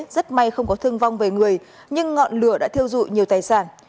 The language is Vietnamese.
rất may không có thương vong về người nhưng ngọn lửa đã thiêu dụi nhiều tài sản